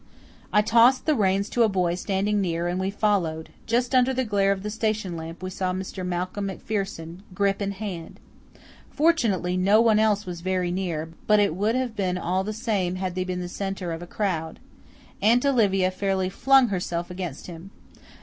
I tossed the reins to a boy standing near and we followed. Just under the glare of the station lamp we saw Mr. Malcolm MacPherson, grip in hand. Fortunately no one else was very near, but it would have been all the same had they been the centre of a crowd. Aunt Olivia fairly flung herself against him.